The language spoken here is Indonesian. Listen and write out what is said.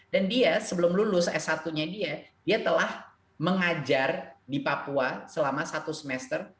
dan dia sebelum lulus s satu nya dia dia telah mengajar di papua selama satu semester